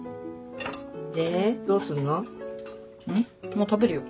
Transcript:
もう食べるよ